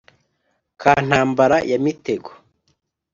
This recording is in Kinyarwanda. ka ntambara ya mitego,